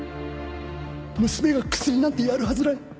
娘がクスリなんてやるはずない。